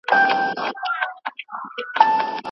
موږ به په راتلونکي کال کې نوي نیالګي کېږدو.